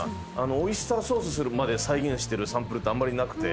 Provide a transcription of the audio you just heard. オイスターソースまで再現してるサンプルってあんまりなくて。